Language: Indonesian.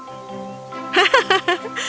tapi bagaimana cara menangkapnya